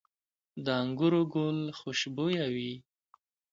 د انګورو ګل خوشبويه وي؟